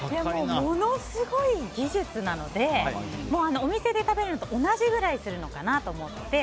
ものすごい技術なのでお店で食べるのと同じぐらいするのかなと思って。